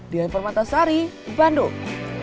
di alper matasari bandung